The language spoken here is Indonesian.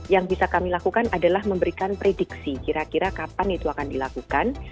yang bisa kami lakukan adalah memberikan prediksi kira kira kapan itu akan dilakukan